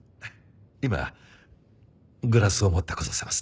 今グラスを持ってこさせます。